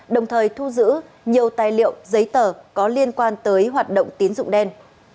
đồng thời thu giữ nhiều tài liệu giấy tờ có liên quan tới hoạt động tín dụng đen